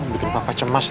bikin papa cemas deh